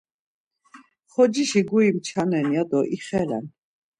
Xocişi guri mçanen ya do ixelen.